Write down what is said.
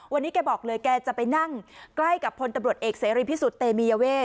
วันนี้แกบอกเลยแกจะไปนั่งใกล้กับพลตำรวจเอกเสรีพิสุทธิ์เตมียเวท